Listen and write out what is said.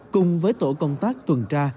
cùng với tổ công tác tuần tra